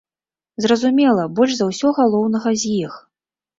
Зразумела, больш за ўсё галоўнага з іх.